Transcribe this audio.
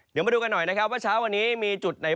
เดี๋ยวมาดูกันหน่อยว่าเฉ้ากว่านี้มีจุดไหนบ้าง